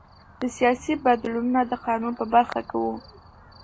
دا سیاسي بدلونونه د قانون په برخه کې وو